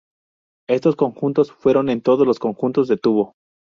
Estos conjuntos fueron en todos los conjuntos de tubo.